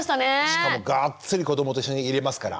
しかもがっつり子どもと一緒にいれますから。